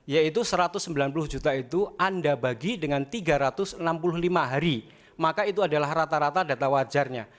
yaitu satu ratus sembilan puluh juta itu anda bagi dengan tiga ratus enam puluh lima hari maka itu adalah rata rata data wajarnya